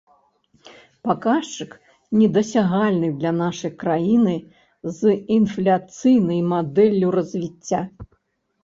Паказчык, недасягальны для нашай краіны з інфляцыйнай мадэллю развіцця.